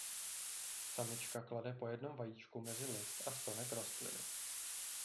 Samička klade po jednom vajíčku mezi list a stonek rostliny.